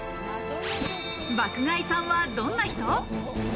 爆買いさんはどんな人？